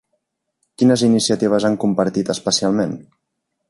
Quines iniciatives han compartit especialment?